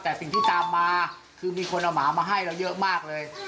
แต่สิ่งที่ตามมาคือมีคนเอาหมามาให้เราเยอะมากเลย